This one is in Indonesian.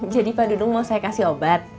jadi pak dudung mau saya kasih obat